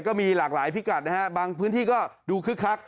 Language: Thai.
ก็มีหลากหลายพิกัดนะฮะบางพื้นที่ก็ดูคึกคัก